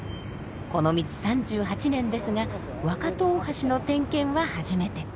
この道３８年ですが若戸大橋の点検は初めて。